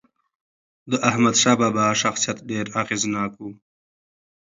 د احمدشاه بابا شخصیت ډېر اغېزناک و.